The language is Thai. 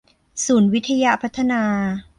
ศูนย์วิทยพัฒนา